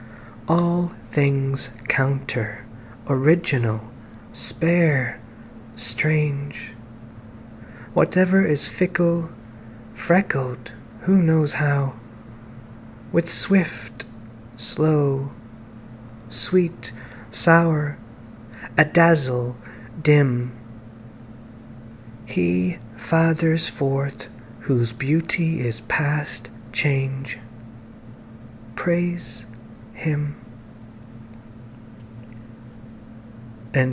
All things counter, original, spare, strange; Whatever is fickle, freckled (who knows how?)With swift, slow; sweet, sour; adazzle, dim; He fathers forth whose beauty is past change:Praise him.